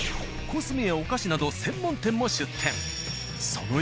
コスメやお菓子など専門店も出店。